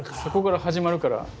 そこから始まるから。